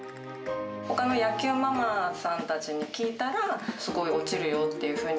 ほかの野球ママさんたちに聞いたら、すごい落ちるよっていうふうに。